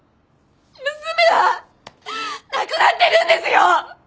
娘は亡くなってるんですよ！